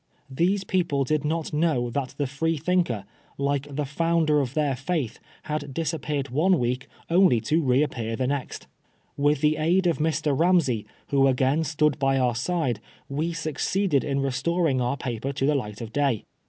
These people did not know that the Freethinker^ like the founder of their faith, had dis appeared one week only to reappear the next. With the aid of Mr. Ramsey, who again stood by our side, we succeeded in restoring our paper to the light of day.